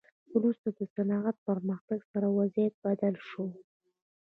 وروسته د صنعت پرمختګ سره وضعیت بدل شو.